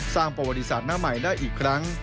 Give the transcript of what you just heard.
สร้างประวัติศาสตร์หน้าใหม่ได้อีกครั้ง